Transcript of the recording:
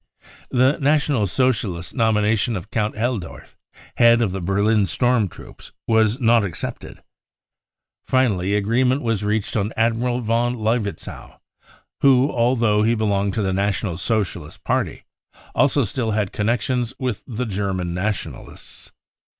The National Socialist's nomination of Count Helldorf, 'head of the Berlin storm troops, was not accepted. Finally agree ment was reached on Admiral von Levetzow, who, although he belonged to the National Socialist Party, also still had connections with the German Nationalists.